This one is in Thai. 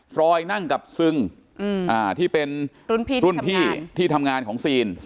ฟรอยนั่งกับซึงอืมอ่าที่เป็นรุ่นพี่ที่ทำงานรุ่นพี่ที่ทำงานของซีน